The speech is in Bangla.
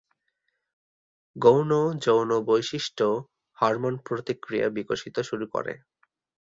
গৌণ যৌন বৈশিষ্ট্য হরমোন প্রতিক্রিয়া বিকশিত শুরু করে।